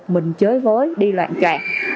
mình chơi với đi loạn trạng